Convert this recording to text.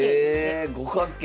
え五角形。